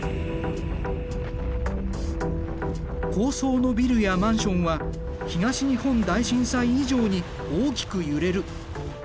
高層のビルやマンションは東日本大震災以上に大きく揺れる。